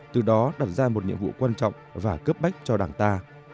từ đó đặt ra một nhiệm vụ quan trọng và cấp bách cho đảng ta